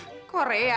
ini puku bener lu ya